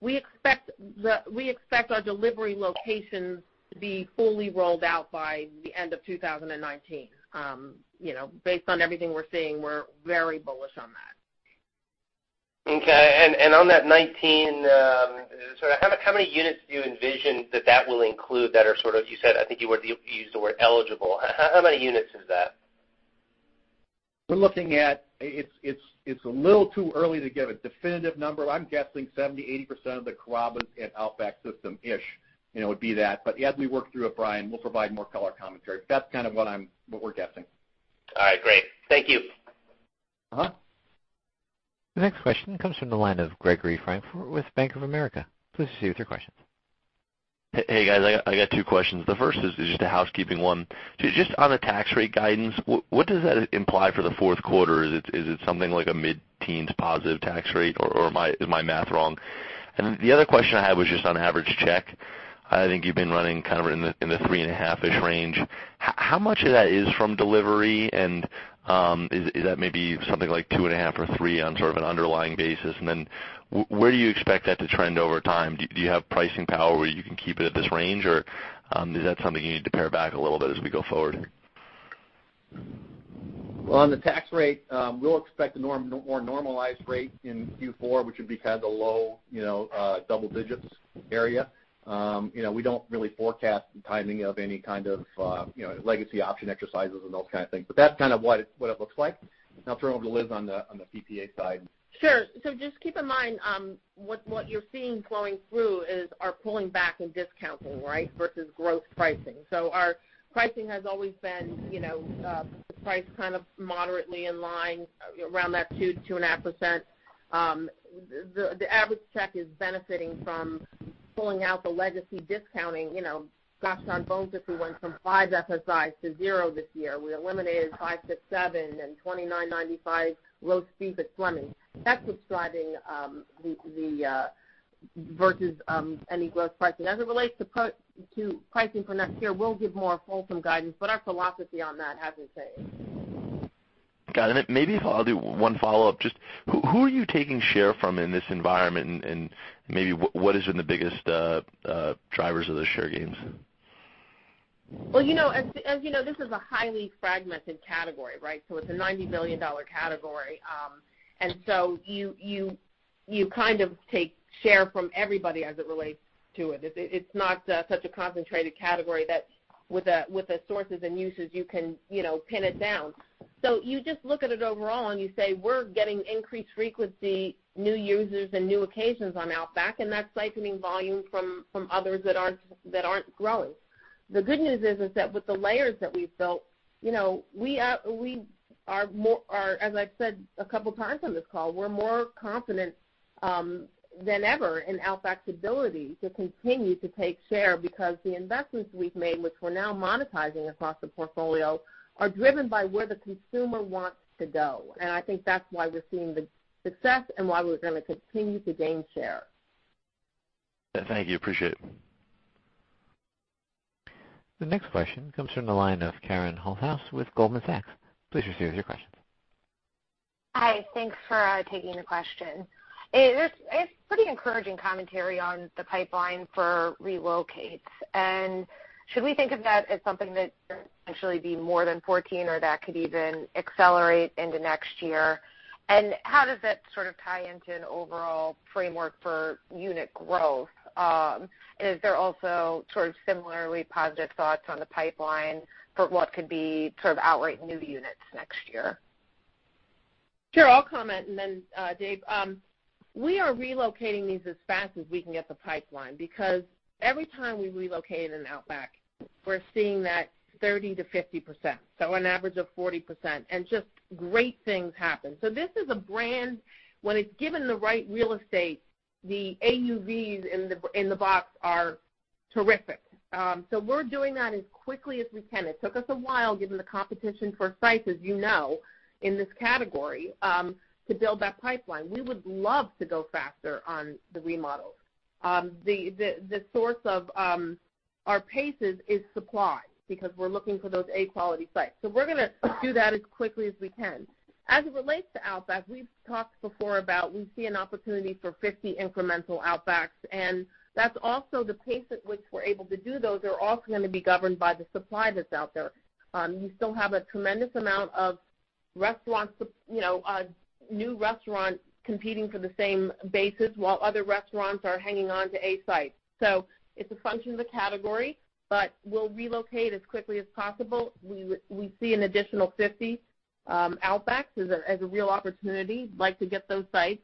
We expect our delivery locations to be fully rolled out by the end of 2019. Based on everything we're seeing, we're very bullish on that. Okay. On that 2019, how many units do you envision that that will include that are sort of, you said, I think you used the word eligible. How many units is that? It's a little too early to give a definitive number. I'm guessing 70%-80% of the Carrabba's and Outback Steakhouse system-ish would be that. As we work through it, Brian, we'll provide more color commentary. That's kind of what we're guessing. All right, great. Thank you. The next question comes from the line of Gregory Francfort with Bank of America. Please proceed with your questions. Hey, guys. I got two questions. The first is just a housekeeping one. Just on the tax rate guidance, what does that imply for the fourth quarter? Is it something like a mid-teens positive tax rate, or is my math wrong? The other question I had was just on average check. I think you've been running kind of in the three and a half-ish range. How much of that is from delivery, and is that maybe something like two and a half or three on sort of an underlying basis? Where do you expect that to trend over time? Do you have pricing power where you can keep it at this range, or is that something you need to pare back a little bit as we go forward here? On the tax rate, we'll expect a more normalized rate in Q4, which would be kind of the low double digits area. We don't really forecast the timing of any kind of legacy option exercises and those kind of things. That's kind of what it looks like. I'll turn it over to Liz on the PPA side. Sure. Just keep in mind, what you're seeing flowing through is our pulling back and discounting, right, versus growth pricing. Our pricing has always been priced kind of moderately in line around that 2%-2.5%. The average check is benefiting from pulling out the legacy discounting. Gosh, on Bonefish, if we went from five FSI to zero this year. We eliminated 5-6-7 and $29.95 prime rib at Fleming's. That's what's driving versus any growth pricing. As it relates to pricing for next year, we'll give more fulsome guidance, but our philosophy on that hasn't changed. Got it. Maybe I'll do one follow-up. Just who are you taking share from in this environment, and maybe what has been the biggest drivers of the share gains? Well, as you know, this is a highly fragmented category, right? It's a $90 billion category. You kind of take share from everybody as it relates to it. It's not such a concentrated category that with the sources and uses, you can pin it down. You just look at it overall and you say, "We're getting increased frequency, new users, and new occasions on Outback," and that's siphoning volume from others that aren't growing. The good news is that with the layers that we've built, as I've said a couple times on this call, we're more confident than ever in Outback's ability to continue to take share because the investments we've made, which we're now monetizing across the portfolio, are driven by where the consumer wants to go. I think that's why we're seeing the success and why we're going to continue to gain share. Thank you. Appreciate it. The next question comes from the line of Karen Holthouse with Goldman Sachs. Please proceed with your question. Hi, thanks for taking the question. It's pretty encouraging commentary on the pipeline for relocates. Should we think of that as something that could potentially be more than 14, or that could even accelerate into next year? How does that sort of tie into an overall framework for unit growth? Is there also sort of similarly positive thoughts on the pipeline for what could be sort of outright new units next year? Sure. I'll comment, and then Dave. We are relocating these as fast as we can get the pipeline, because every time we relocate an Outback, we're seeing that 30%-50%, so an average of 40%, and just great things happen. This is a brand, when it's given the right real estate, the AUVs in the box are terrific. We're doing that as quickly as we can. It took us a while, given the competition for sites, as you know, in this category, to build that pipeline. We would love to go faster on the remodels. The source of our paces is supply, because we're looking for those A quality sites. We're going to do that as quickly as we can. As it relates to Outback, we've talked before about, we see an opportunity for 50 incremental Outbacks, that's also the pace at which we're able to do those are also going to be governed by the supply that's out there. You still have a tremendous amount of new restaurants competing for the same bases while other restaurants are hanging on to A sites. It's a function of the category, but we'll relocate as quickly as possible. We see an additional 50 Outbacks as a real opportunity. Like to get those sites.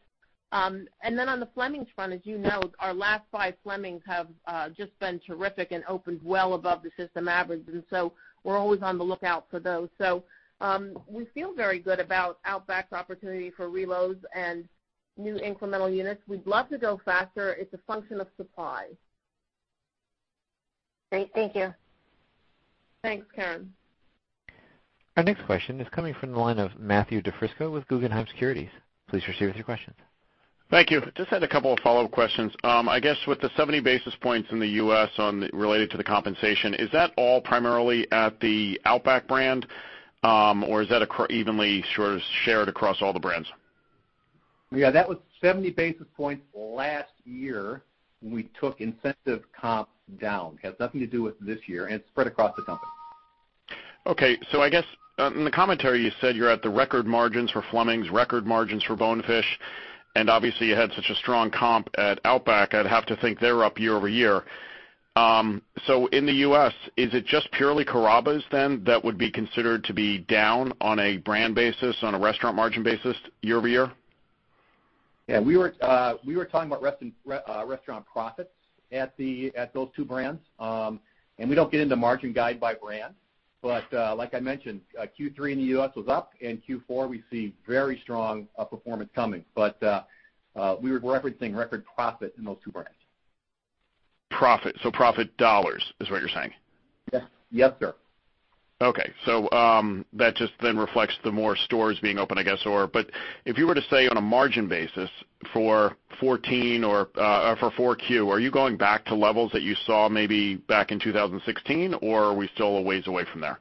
Then on the Fleming's front, as you know, our last five Fleming's have just been terrific and opened well above the system average, we're always on the lookout for those. We feel very good about Outback's opportunity for reloads and new incremental units. We'd love to go faster. It's a function of supply. Great. Thank you. Thanks, Karen. Our next question is coming from the line of Matthew DiFrisco with Guggenheim Securities. Please proceed with your questions. Thank you. Just had a couple of follow-up questions. I guess with the 70 basis points in the U.S. related to the compensation, is that all primarily at the Outback brand, or is that evenly sort of shared across all the brands? Yeah, that was 70 basis points last year when we took incentive comps down. It has nothing to do with this year, and it's spread across the company. Okay. I guess in the commentary, you said you're at the record margins for Fleming's, record margins for Bonefish, and obviously you had such a strong comp at Outback. I'd have to think they're up year-over-year. In the U.S., is it just purely Carrabba's that would be considered to be down on a brand basis, on a restaurant margin basis year-over-year? Yeah, we were talking about restaurant profits at those two brands. We don't get into margin guide by brand. Like I mentioned, Q3 in the U.S. was up, Q4 we see very strong performance coming. We were referencing record profit in those two brands. Profit. Profit dollars is what you're saying? Yes. Yes, sir. That just then reflects the more stores being open, I guess. If you were to say on a margin basis for 14 or for 4Q, are you going back to levels that you saw maybe back in 2016, or are we still a ways away from there?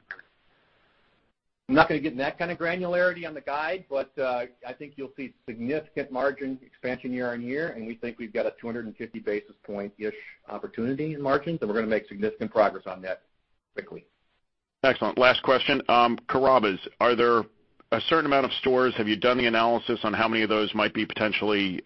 I'm not going to get in that kind of granularity on the guide. I think you'll see significant margin expansion year-over-year. We think we've got a 250 basis point-ish opportunity in margins. We're going to make significant progress on that quickly. Excellent. Last question. Carrabba's, are there a certain amount of stores, have you done the analysis on how many of those might be potentially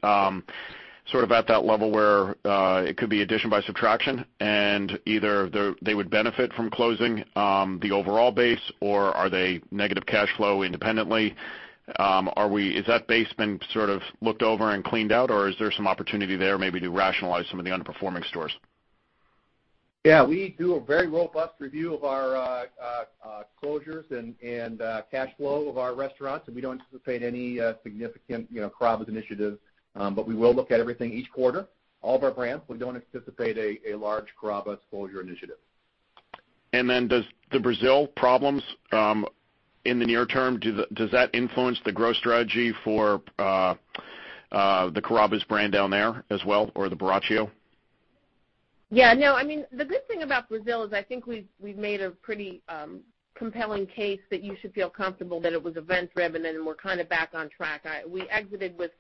sort of at that level where it could be addition by subtraction and either they would benefit from closing the overall base? Are they negative cash flow independently? Has that base been sort of looked over and cleaned out? Is there some opportunity there maybe to rationalize some of the underperforming stores? Yeah. We do a very robust review of our closures and cash flow of our restaurants. We don't anticipate any significant Carrabba's initiatives, but we will look at everything each quarter, all of our brands. We don't anticipate a large Carrabba's closure initiative. Does the Brazil problems in the near term, does that influence the growth strategy for the Carrabba's brand down there as well, or the Abbraccio? Yeah. No, I mean, the good thing about Brazil is I think we've made a pretty compelling case that you should feel comfortable that it was event driven and we're kind of back on track. We exited with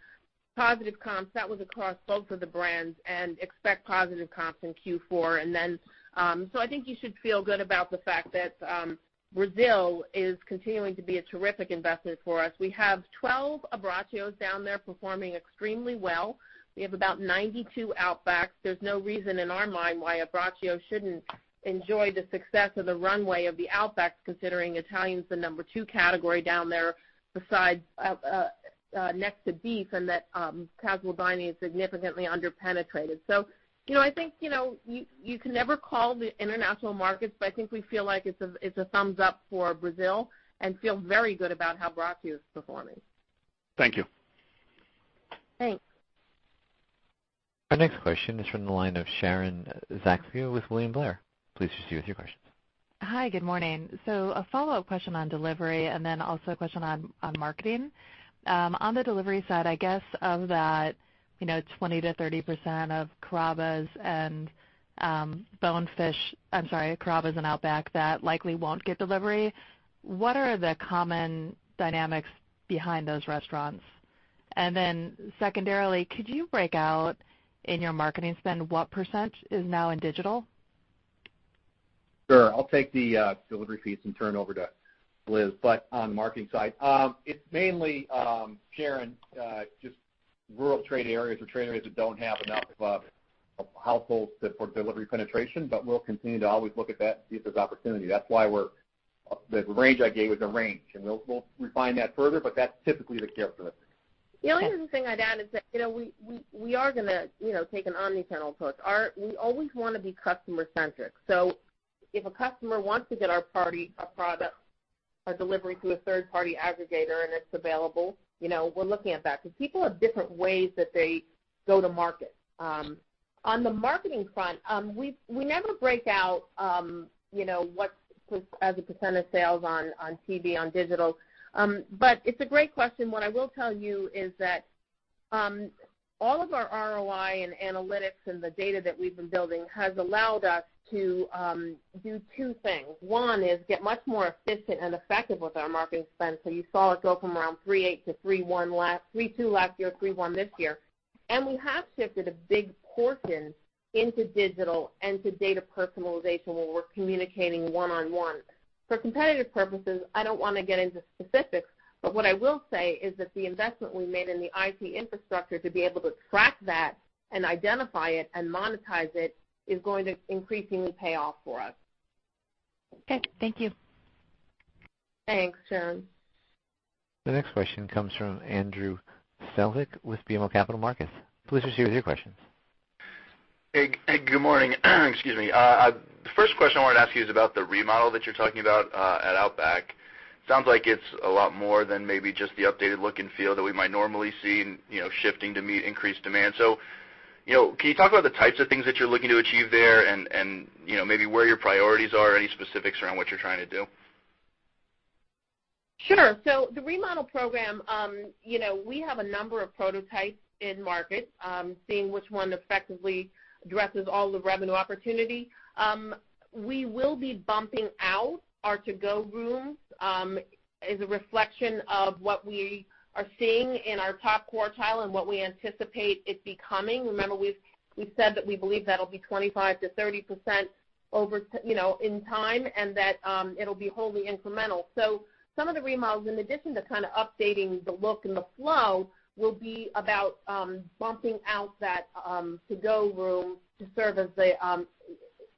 positive comps. That was across both of the brands, and expect positive comps in Q4. I think you should feel good about the fact that Brazil is continuing to be a terrific investment for us. We have 12 Abbraccio down there performing extremely well. We have about 92 Outbacks. There's no reason in our mind why a Abbraccio shouldn't enjoy the success of the runway of the Outbacks, considering Italian's the number 2 category down there besides next to beef, and that casual dining is significantly under-penetrated. I think you can never call the international markets. I think we feel like it's a thumbs up for Brazil and feel very good about how Abbraccio is performing. Thank you. Thanks. Our next question is from the line of Sharon Zackfia with William Blair. Please proceed with your questions. Hi, good morning. A follow-up question on delivery and then also a question on marketing. On the delivery side, I guess of that 20%-30% of Carrabba's and Bonefish, I'm sorry, Carrabba's and Outback that likely won't get delivery, what are the common dynamics behind those restaurants? And then secondarily, could you break out in your marketing spend what percent is now in digital? Sure. I'll take the delivery piece and turn it over to Liz. On the marketing side, it's mainly, Sharon, just rural trade areas or trade areas that don't have enough households for delivery penetration. We'll continue to always look at that and see if there's opportunity. That's why the range I gave was a range, and we'll refine that further, but that's typically the characteristic. The only other thing I'd add is that we are going to take an omnichannel approach. We always want to be customer centric. If a customer wants to get our product or delivery through a third-party aggregator, and it's available, we're looking at that, because people have different ways that they go to market. On the marketing front, we never break out what's as a percent of sales on TV, on digital. It's a great question. What I will tell you is that all of our ROI and analytics and the data that we've been building has allowed us to do two things. One is get much more efficient and effective with our marketing spend. You saw it go from around 3.8% to 3.2% last year, 3.1% this year. We have shifted a big portion into digital and to data personalization where we're communicating one-on-one. For competitive purposes, I don't want to get into specifics, but what I will say is that the investment we made in the IT infrastructure to be able to track that and identify it and monetize it is going to increasingly pay off for us. Okay. Thank you. Thanks, Sharon. The next question comes from Andrew Strelzik with BMO Capital Markets. Please proceed with your questions. Hey, good morning. Excuse me. The first question I wanted to ask you is about the remodel that you're talking about at Outback. Sounds like it's a lot more than maybe just the updated look and feel that we might normally see in shifting to meet increased demand. Can you talk about the types of things that you're looking to achieve there and maybe where your priorities are, any specifics around what you're trying to do? Sure. The remodel program, we have a number of prototypes in market, seeing which one effectively addresses all the revenue opportunity. We will be bumping out our to-go rooms as a reflection of what we are seeing in our top quartile and what we anticipate it becoming. Remember, we've said that we believe that'll be 25%-30% in time, and that it'll be wholly incremental. Some of the remodels, in addition to kind of updating the look and the flow, will be about bumping out that to-go room to serve as an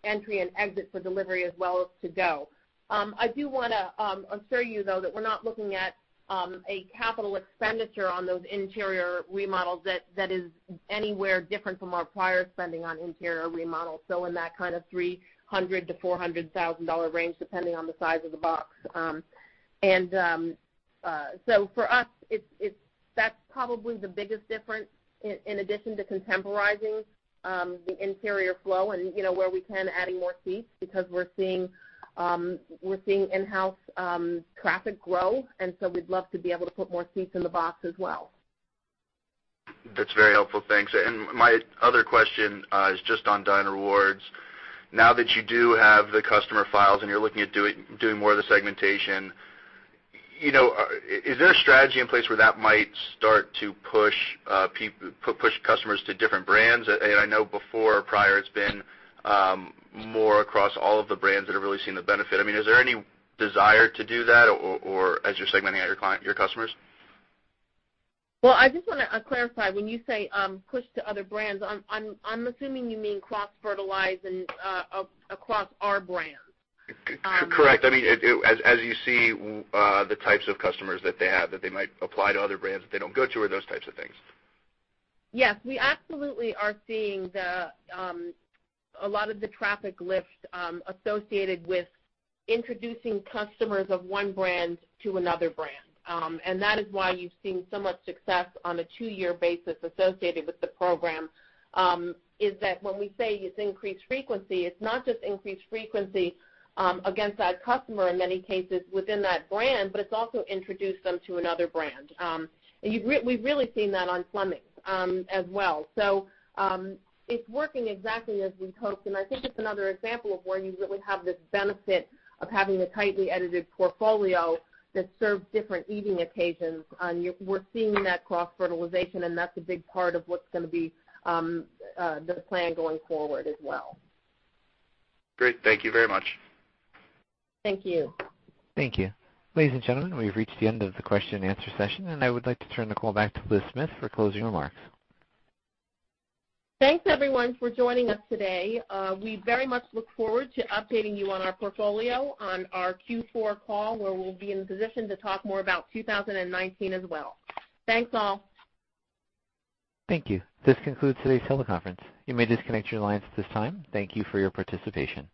entry and exit for delivery as well as to go. I do want to assure you, though, that we're not looking at a capital expenditure on those interior remodels that is anywhere different from our prior spending on interior remodels, so in that kind of $300,000-$400,000 range, depending on the size of the box. For us, that's probably the biggest difference in addition to contemporizing the interior flow and where we can, adding more seats because we're seeing in-house traffic grow, and so we'd love to be able to put more seats in the box as well. That's very helpful. Thanks. My other question is just on Dine Rewards. Now that you do have the customer files and you're looking at doing more of the segmentation, is there a strategy in place where that might start to push customers to different brands? I know before or prior, it's been more across all of the brands that have really seen the benefit. Is there any desire to do that or as you're segmenting out your customers? Well, I just want to clarify. When you say push to other brands, I'm assuming you mean cross-fertilizing across our brands. Correct. As you see the types of customers that they have that they might apply to other brands that they don't go to or those types of things. Yes. We absolutely are seeing a lot of the traffic lift associated with introducing customers of one brand to another brand. That is why you've seen so much success on a two-year basis associated with the program, is that when we say it's increased frequency, it's not just increased frequency against that customer in many cases within that brand, but it's also introduced them to another brand. We've really seen that on Fleming's as well. It's working exactly as we'd hoped, and I think it's another example of where you really have this benefit of having a tightly edited portfolio that serves different eating occasions. We're seeing that cross-fertilization, and that's a big part of what's going to be the plan going forward as well. Great. Thank you very much. Thank you. Thank you. Ladies and gentlemen, we've reached the end of the question and answer session, I would like to turn the call back to Elizabeth Smith for closing remarks. Thanks everyone for joining us today. We very much look forward to updating you on our portfolio on our Q4 call, where we'll be in a position to talk more about 2019 as well. Thanks, all. Thank you. This concludes today's teleconference. You may disconnect your lines at this time. Thank you for your participation.